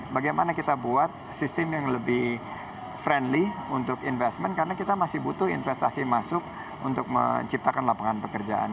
bagaimana kita buat sistem yang lebih friendly untuk investment karena kita masih butuh investasi masuk untuk menciptakan lapangan pekerjaan